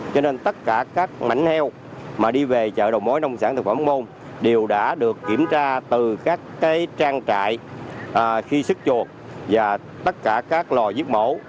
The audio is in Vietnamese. cho nên tất cả các mảnh heo mà đi về chợ đầu mối nông sản thực phẩm ô môn đều đã được kiểm tra từ các trang trại khi sức chuột và tất cả các lò giết mổ